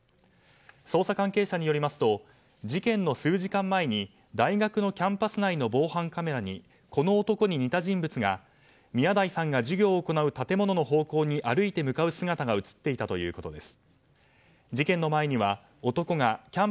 捜査関係者によりますと事件の数時間前に大学のキャンパス内の防犯カメラにこの男に似た人物が、宮台さんが授業を行う建物の方向に歩いて向かう姿が映っていたということです。